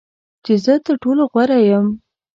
چې زه تر ټولو غوره یم .